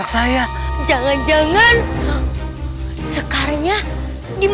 aku akan menganggap